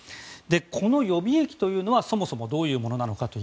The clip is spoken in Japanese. この予備役というのはそもそもどういうものなのか。